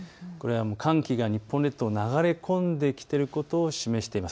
寒気が日本列島に流れ込んできていることを示しています。